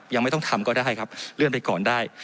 ยังไม่ต้องทำก็ได้ครับเลื่อนไปก่อนได้